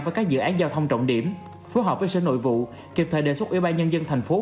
với các dự án giao thông trọng điểm phối hợp với sở nội vụ kịp thời đề xuất ủy ban nhân dân thành phố